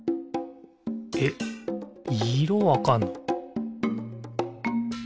えっいろわかんの！？